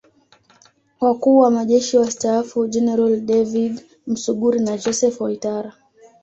Wakuu wa Majeshi Wastaafu Jeneral David Msuguri na Joseph Waitara